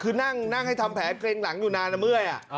คือนั่งให้ทำแผลเกรงหลังอยู่นานแล้วเมื่อย